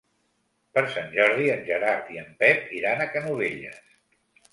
Per Sant Jordi en Gerard i en Pep iran a Canovelles.